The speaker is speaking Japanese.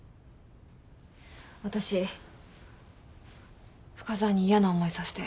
私深澤に嫌な思いさせて。